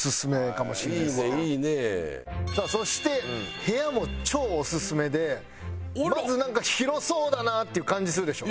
さあそして部屋も超オススメでまずなんか広そうだなっていう感じするでしょ？